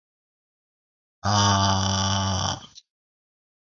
She appointed her mother to succeed her as prime minister.